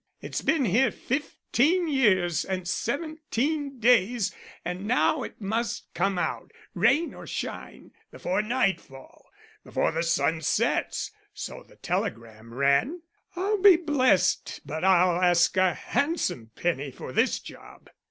It's been here fifteen years and seventeen days and now it must come out, rain or shine, before night fall. 'Before the sun sets,' so the telegram ran. I'll be blessed but I'll ask a handsome penny for this job." Mr.